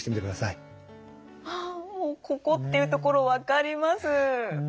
ああもうここっていう所分かります。